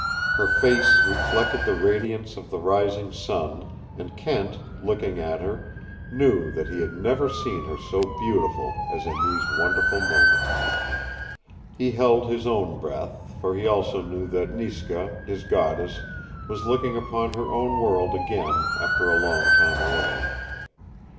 Her face reflected the radiance of the rising sun, and Kent, looking at her, knew that he had never seen her so beautiful as in these wonderful moments. He held his own breath, for he also knew that Niska, his goddess, was looking upon her own world again after a long time away.